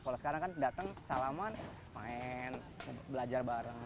kalau sekarang kan datang salaman main belajar bareng